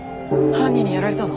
犯人にやられたの？